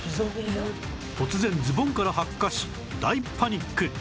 突然ズボンから発火し大パニック